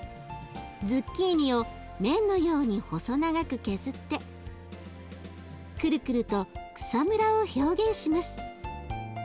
ズッキーニを麺のように細長く削ってクルクルと草むらを表現します。